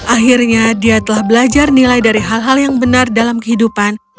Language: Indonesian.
akhirnya dia telah belajar nilai dari hal hal yang benar dalam kehidupan